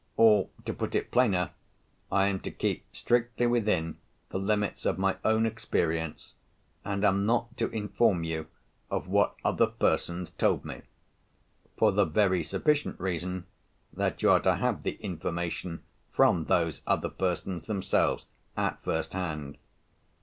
Or, to put it plainer, I am to keep strictly within the limits of my own experience, and am not to inform you of what other persons told me—for the very sufficient reason that you are to have the information from those other persons themselves, at first hand.